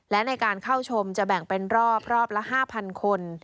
และในการเข้าชมจะแบ่งเป็นรอบรอบละ๕๐๐คน